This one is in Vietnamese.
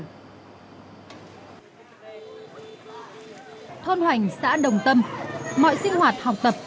thôn hoành xã đồng tâm mọi sinh hoạt học tập